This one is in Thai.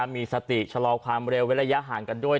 มีสติชะลอความเร็วและระยะห่างกันด้วย